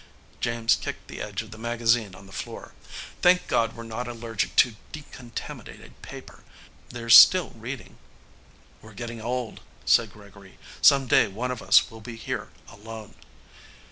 James kicked the edge of the magazine on the floor. "Thank God we're not allergic to decontaminated paper. There's still reading." "We're getting old," said Gregory. "Some day one of us will be here alone."